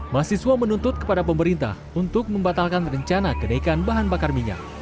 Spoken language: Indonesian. mahasiswa menuntut kepada pemerintah untuk membatalkan rencana kenaikan bahan bakar minyak